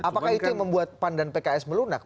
apakah itu yang membuat pan dan pks melunak